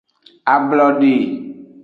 Ablode.